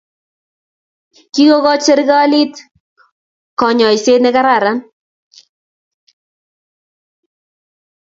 Kikokoch serkalit ik ab kokwe nyoiset ne kararan